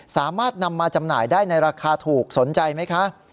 สามารถนำมาจำหน่ายได้ในราคาถูกสนใจไหมคะ